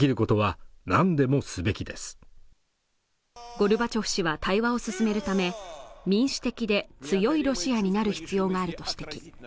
ゴルバチョフ氏は対話を進めるため民主的で強いロシアになる必要があると指摘